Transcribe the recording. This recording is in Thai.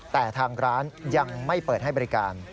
แต่ทางร้านยังไม่เปิดให้บริการ